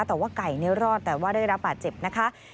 แต่ว่าไก่รอดแต่ว่าได้รับบาดเจ็บนะคะ